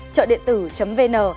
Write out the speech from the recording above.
trợ điện tử vn